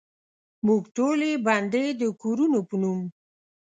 موږ ټولې بندې دکورونو په نوم،